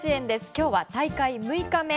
今日は大会６日目。